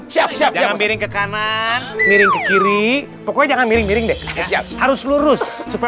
siap siap miring ke kanan miring ke kiri pokoknya miring miring harus lurus supaya